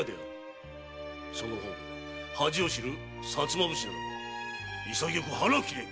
その方も恥を知る薩摩武士なら潔く腹を切れ！